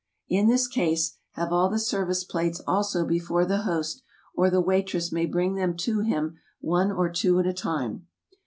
In this case have all the service plates also before the host, or the waitress may bring them to him one or two at a time.